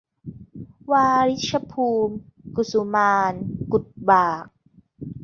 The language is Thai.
วาริชภูมิ กุสุมาลย์ กุดบาก